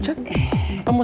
siap pak bos